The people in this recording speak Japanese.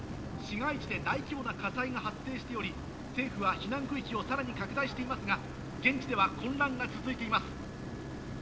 市街地で大規模な火災が発生しており政府は避難区域をさらに拡大していますが現地では混乱が続いています。